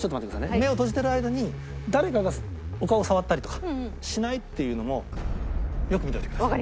目を閉じてる間に誰かがお顔を触ったりとかしないっていうのもよく見ておいてください。